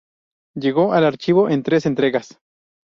Llegó al Archivo en tres entregas.